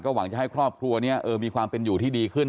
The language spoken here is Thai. หวังจะให้ครอบครัวนี้มีความเป็นอยู่ที่ดีขึ้น